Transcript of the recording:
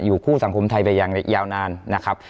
คู่สังคมไทยไปอย่างยาวนานนะครับ